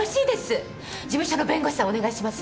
事務所の弁護士さんお願いします。